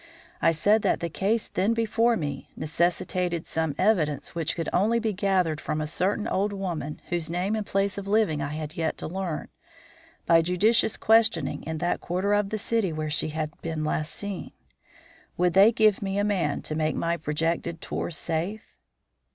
I said that the case then before me necessitated some evidence which could only be gathered from a certain old woman whose name and place of living I had yet to learn by judicious questioning in that quarter of the city where she had been last seen. Would they give me a man to make my projected tour safe?